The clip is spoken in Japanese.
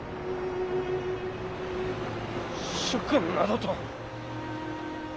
主君などと。